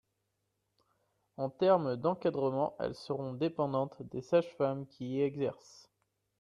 En termes d’encadrement, elles seront dépendantes des sages-femmes qui y exercent.